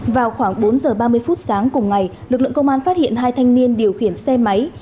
vào khoảng bốn giờ ba mươi phút sáng cùng ngày lực lượng công an phát hiện hai thanh niên điều khiển xe máy